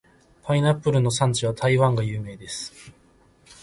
パイナップルの産地は台湾が有名です。